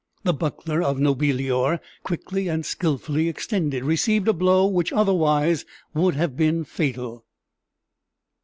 The buckler of Nobilior, quickly and skillfully extended, received a blow which otherwise would have been fatal.